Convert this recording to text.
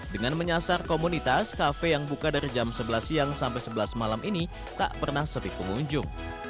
dengan menyasar komunitas kafe yang buka dari jam sebelas siang sampai sebelas malam ini tak pernah sepi pengunjung